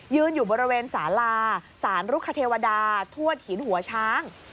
อยู่บริเวณสาลาสารรุคเทวดาทวดหินหัวช้าง